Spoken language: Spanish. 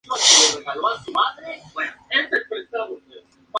Algunos actos importantes todavía se celebran en la Casa de La Vall